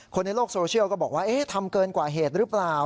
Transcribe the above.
คนในโลกโซเชียลก็บอกว่าทำเกินกว่าเหตุหรือเปล่า